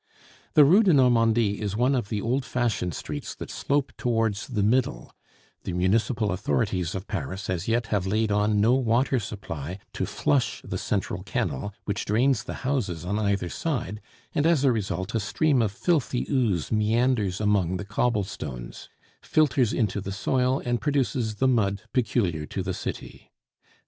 The Rue de Normandie is one of the old fashioned streets that slope towards the middle; the municipal authorities of Paris as yet have laid on no water supply to flush the central kennel which drains the houses on either side, and as a result a stream of filthy ooze meanders among the cobblestones, filters into the soil, and produces the mud peculiar to the city.